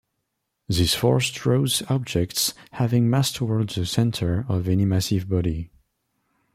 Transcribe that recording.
This force draws objects having mass towards the center of any massive body.